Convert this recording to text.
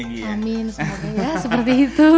amin semoga ya seperti itu